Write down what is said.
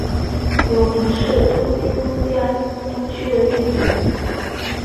有明是东京都江东区的地名。